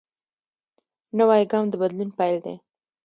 نوی ګام د بدلون پیل دی